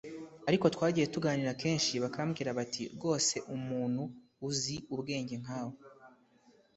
ariko twagiye tuganira kenshi bakambwira bati ‘ rwose umuntu uzi ubwenge nkawe